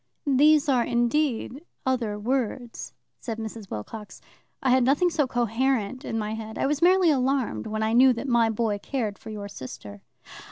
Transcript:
"These are indeed 'other words,'" said Mrs. Wilcox." I had nothing so coherent in my head. I was merely alarmed when I knew that my boy cared for your sister."